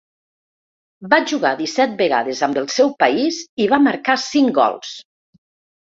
Va jugar disset vegades amb el seu país i va marcar cinc gols.